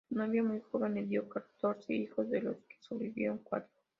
Su novia, muy joven, le dio catorce hijos, de los que sobrevivieron cuatro.